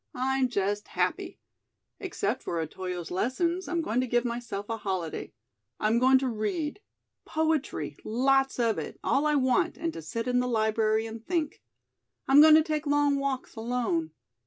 "I'm just happy. Except for Otoyo's lessons, I'm going to give myself a holiday. I'm going to read poetry lots of it, all I want, and to sit in the library and think. I'm going to take long walks alone.